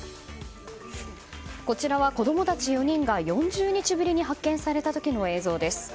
こちらは、子供たち４人が４０日ぶりに発見された時の映像です。